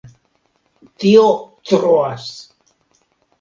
Tio troas!